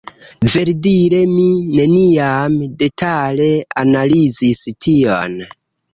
Verdire mi neniam detale analizis tion.